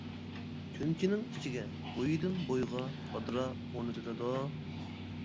چۈنچىنىڭ ئىچىگە بويىدىن بويغا بادرا ئورنىتىلىدۇ.